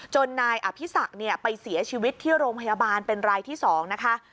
นายอภิษักไปเสียชีวิตที่โรงพยาบาลเป็นรายที่๒นะคะ